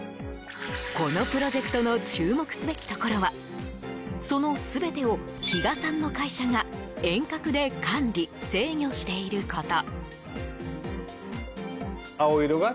このプロジェクトの注目すべきところはその全てを、比嘉さんの会社が遠隔で管理・制御していること。